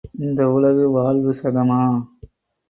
இந்த உலக வாழ்வு சதமா?